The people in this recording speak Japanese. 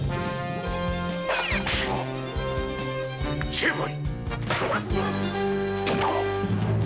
成敗！